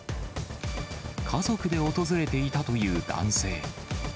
家族で訪れていたという男性。